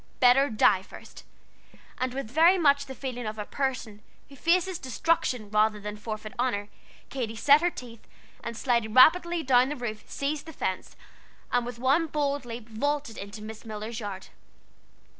Better die first! And with very much the feeling of a person who faces destruction rather than forfeit honor, Katy set her teeth, and sliding rapidly down the roof, seized the fence, and with one bold leap vaulted into Miss Miller's yard.